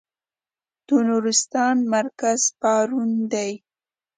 د نورستان مرکز پارون دی.